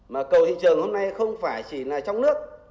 mà cầu thị trường hôm nay không phải chỉ là trong nước